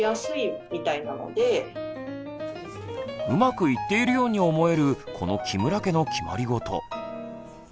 うまくいっているように思えるこの木村家の決まりごと。